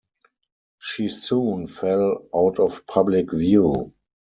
She soon fell out of public view.